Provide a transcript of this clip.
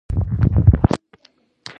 ځواک د جرم او تساعد ضرب دی.